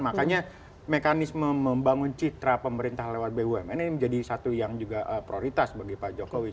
makanya mekanisme membangun citra pemerintah lewat bumn ini menjadi satu yang juga prioritas bagi pak jokowi